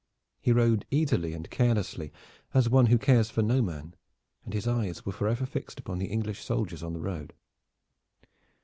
He rode easily and carelessly, as one who cares for no man, and his eyes were forever fixed upon the English soldiers on the road.